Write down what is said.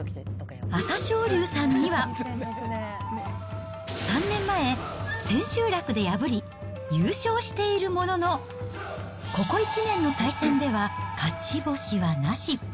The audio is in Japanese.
朝青龍さんには３年前、千秋楽で破り、優勝しているものの、ここ１年の対戦では勝ち星はなし。